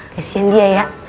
kasian dia ya